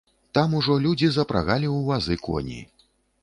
Там ужо людзі запрагалі ў вазы коні.